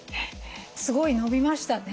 すごい伸びましたね。